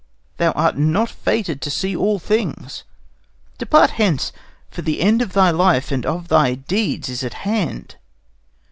Thou art not fated to see all things. Depart hence, for the end of thy life and of thy deeds is at hand."